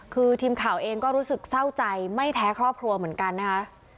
คือทีมข่าวเองก็รู้สึกเศร้าใจไม่แพ้ครอบครัวเหมือนกันนะคะ